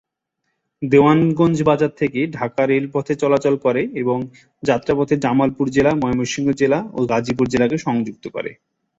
দেওয়ানগঞ্জ বাজার থেকে ঢাকা রেলপথে চলাচল করে এবং যাত্রাপথে জামালপুর জেলা, ময়মনসিংহ জেলা ও গাজীপুর জেলাকে সংযুক্ত করে।